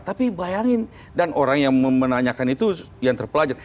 tapi bayangin dan orang yang menanyakan itu yang terpelajar